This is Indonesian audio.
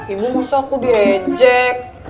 ibu masa aku diejek